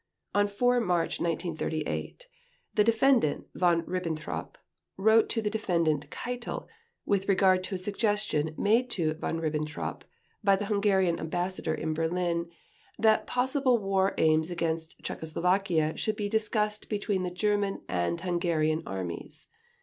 On 4 March 1938 the Defendant Von Ribbentrop wrote to the Defendant Keitel with regard to a suggestion made to Von Ribbentrop by the Hungarian Ambassador in Berlin, that possible war aims against Czechoslovakia should be discussed between the German and Hungarian Armies.